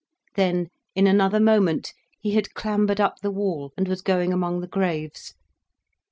Then in another moment he had clambered up the wall and was going among the graves.